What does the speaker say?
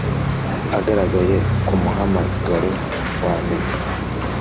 agaragaye kumuhamagaro wanyuma,